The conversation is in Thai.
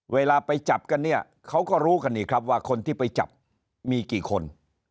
เวลาไปจับกันเนี่ยเขาก็รู้กันอีกครับว่าคนที่ไปจับมีกี่คน